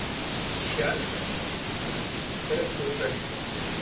Docházelo také k zatýkání a napadání pozorovatelů přímo ve volebních místnostech.